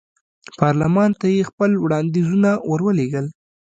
پارلمان ته یې خپل وړاندیزونه ور ولېږل.